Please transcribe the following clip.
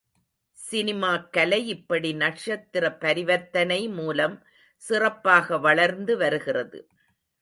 சினிமாக் கலை இப்படி நக்ஷத்திர பரிவர்த்தனை மூலம் சிறப்பாக வளர்ந்து வருகிறது.